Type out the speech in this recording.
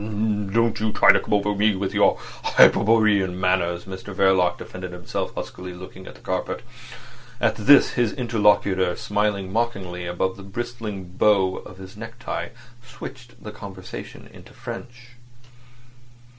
"Don't you try to come over me with your Hyperborean manners," Mr Verloc defended himself huskily, looking at the carpet. At this his interlocutor, smiling mockingly above the bristling bow of his necktie, switched the conversation into French.